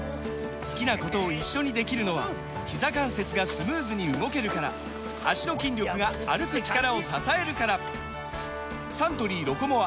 好きなことを一緒にできるのはひざ関節がスムーズに動けるから脚の筋力が歩く力を支えるからサントリー「ロコモア」！